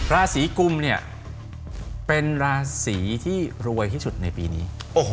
ราศีกุมเนี่ยเป็นราศีที่รวยที่สุดในปีนี้